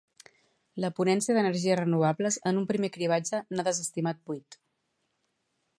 La Ponència d'Energies Renovables, en un primer cribratge, n'ha desestimat vuit.